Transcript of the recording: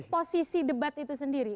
posisi debat itu sendiri